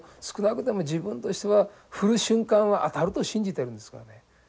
少なくとも自分としては振る瞬間は当たると信じてるんですからね。